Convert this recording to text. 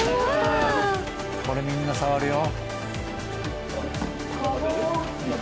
これみんな触るよ。